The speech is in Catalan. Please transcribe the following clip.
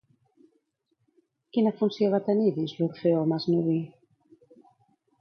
Quina funció va tenir dins l'Orfeó Masnoví?